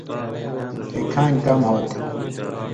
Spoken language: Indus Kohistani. کھیں کھانگیۡ کم ہوتھی۔